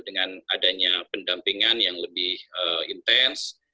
dengan adanya pendampingan yang lebih intens